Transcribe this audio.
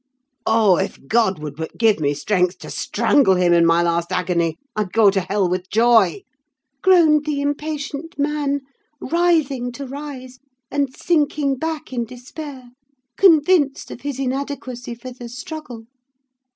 "'Oh, if God would but give me strength to strangle him in my last agony, I'd go to hell with joy,' groaned the impatient man, writhing to rise, and sinking back in despair, convinced of his inadequacy for the struggle.